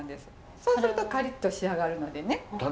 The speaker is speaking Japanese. そうするとカリッと仕上がるのでね。